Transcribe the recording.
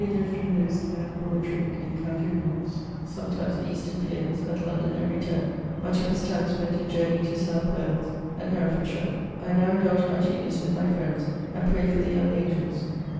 A. lived most at Broad chalke in com. Wilts; sometimes at Easton Piers; at London every terme. Much of his time spent in journeying to South Wales (entaile) and Hereff. I now indulge my genius with my friends and pray for the young angels.